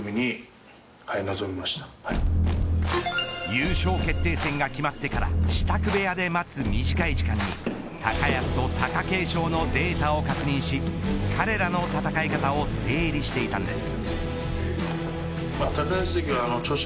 優勝決定戦が決まってから支度部屋で待つ短い時間に高安と貴景勝のデータを確認し彼らの戦い方を整理していたんです。